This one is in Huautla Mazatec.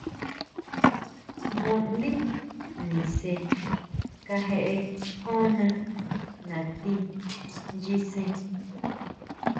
Jngu ndi nise kajeʼe konna nati nyisen.